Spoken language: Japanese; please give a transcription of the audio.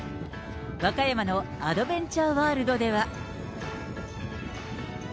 和歌山のアドベンチャーワールドでは。